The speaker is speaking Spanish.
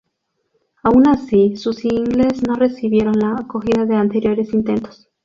Aun así, sus singles no recibieron la acogida de anteriores intentos.